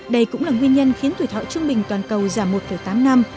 đây cũng là nguyên nhân khiến tuổi thọ trung bình toàn cầu giảm một tám năm